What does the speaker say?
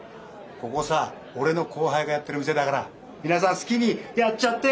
ここさ俺の後輩がやってる店だから皆さん好きにやっちゃって。